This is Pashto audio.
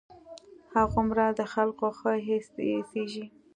هماغومره د خلقو ښه اېسېږي.